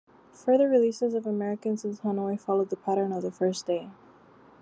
Further releases of Americans in Hanoi followed the pattern of the first day.